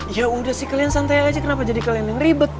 ya udah sih kalian santai aja kenapa jadi kalian yang ribet